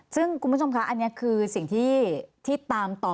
ซึ่งคุณผู้ชมคะอันนี้คือสิ่งที่ตามต่อ